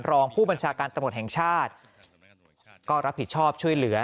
รองผู้บัญชาการตำรวจแห่งชาติก็รับผิดชอบช่วยเหลือ